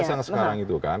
yang sekarang itu kan